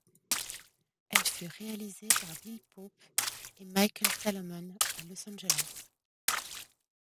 Elle fut réalisée par Bill Pope et Michael Salomon à Los Angeles.